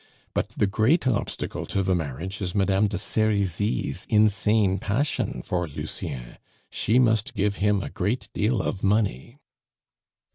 But the great obstacle to the marriage is Madame de Serizy's insane passion for Lucien. She must give him a great deal of money."